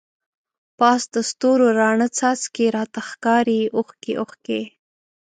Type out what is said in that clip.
پاس د ستورو راڼه څاڅکی، راته ښکاری اوښکی اوښکی